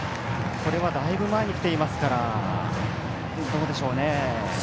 これはだいぶ前に来ていますからどうでしょう。